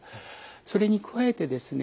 それに加えてですね